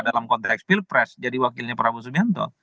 dalam konteks pilpres jadi wakilnya prabowo subianto